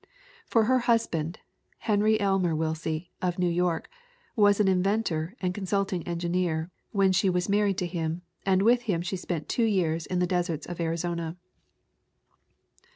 For her husband, Henry Elmer Willsie, of New York, was an inventor and consult ing engineer when she was married to him and with him she spent two years in the deserts of Arizona.